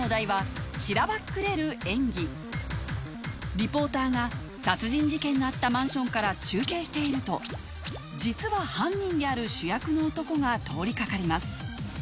リポーターが殺人事件のあったマンションから中継していると実は犯人である主役の男が通りかかります